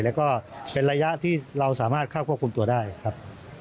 แล้วก็เป็นระยะที่เราสามารถเข้าควบคุมตัวได้ครับ